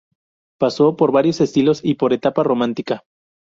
Pasó por varios estilos y por la etapa romántica.